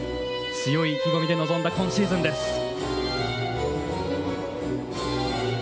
強い意気込みで臨んだ今シーズンです。